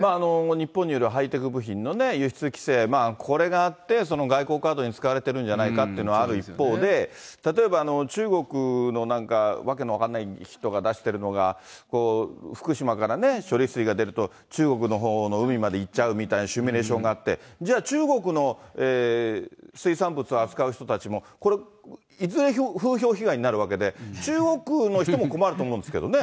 日本によるハイテク部品の輸出規制、これがあって、その外交カードに使われてるんじゃないかということがある一方で、例えば中国のなんか訳の分かんない人が出してるのが、福島から処理水が出ると、中国のほうの海まで行っちゃうみたいなシミュレーションがあって、じゃあ中国の水産物を扱う人たちも、これ、いずれ風評被害になるわけで、中国の人も困ると思うんですけどね。